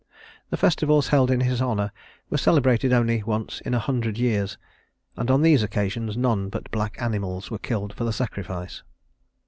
The festivals held in his honor were celebrated only once in a hundred years, and on these occasions none but black animals were killed for the sacrifice.